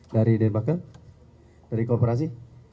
dari debake dari kooperasi